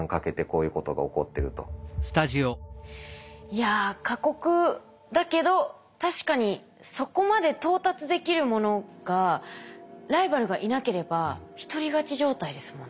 いや過酷だけど確かにそこまで到達できるものがライバルがいなければ一人勝ち状態ですもんね。